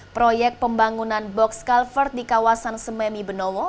proyek pembangunan box culvert di kawasan sememi benowo